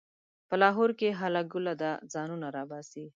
په لاهور کې هله ګوله ده؛ ځانونه راباسئ.